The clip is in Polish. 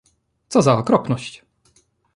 Co za okropność!